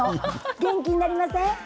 元気になりません？